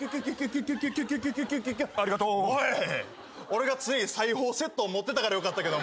俺が常に裁縫セットを持ってたからよかったけど。